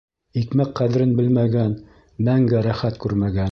Икмәк ҡәҙерен белмәгән -Мәңге рәхәт күрмәгән.